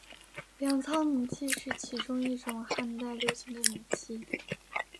粮仓明器是其中一种汉代流行的明器。